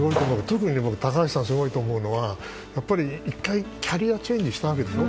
特に高橋さん、すごいと思うのは１回キャリアチェンジをしたわけでしょ。